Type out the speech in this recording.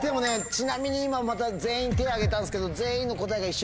ちなみに今全員手挙げたんすけど。